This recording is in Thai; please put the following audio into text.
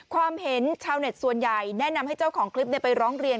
ความเห็นชาวเน็ตส่วนใหญ่แนะนำให้เจ้าของคลิปไปร้องเรียน